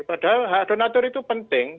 padahal hak donator itu penting